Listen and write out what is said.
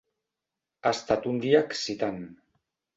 Ha estat un dia excitant.